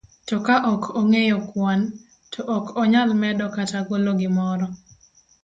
To ka ok ong'eyo kwan, to ok onyal medo kata golo gimoro.